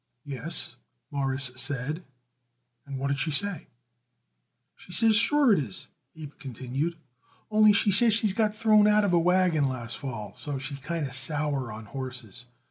"Yes," Morris said, "and what did she say?" "She says sure it is," Abe continued, "only, she says she got thrown out of a wagon last fall, and so she's kind of sour on horses.